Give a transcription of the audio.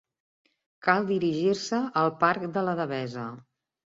Cal dirigir-se al Parc de la Devesa.